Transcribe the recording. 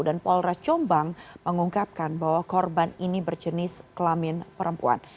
dan polras jombang mengungkapkan bahwa korban ini berjenis kelamin perempuan